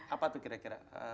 apa tuh kira kira